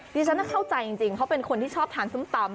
ฉันเข้าใจจริงเขาเป็นคนที่ชอบทานส้มตำ